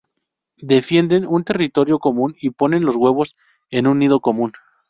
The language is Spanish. Defienden un territorio común y ponen los huevos en un nido común.